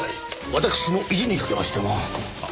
私の意地にかけましても。